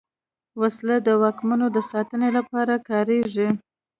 وسله د واکمنو د ساتنې لپاره کارېږي